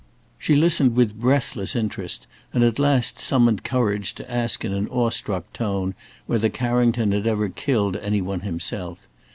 She listened with breathless interest, and at last summoned courage to ask in an awestruck tone whether Carrington had ever killed any one himself.